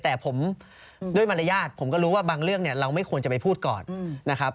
แต่ผมด้วยมารยาทผมก็รู้ว่าบางเรื่องเนี่ยเราไม่ควรจะไปพูดก่อนนะครับ